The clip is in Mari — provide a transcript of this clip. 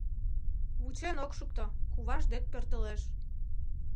Вучен ок шукто, куваж дек пӧртылеш